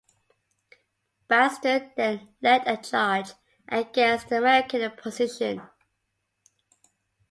Basden then led a charge against the American position.